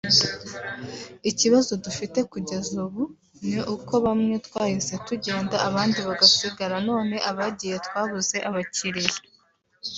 Ikibazo dufite kugeza ubu ni uko bamwe twahise tugenda abandi bagasigara none abagiye twabuze abakiliya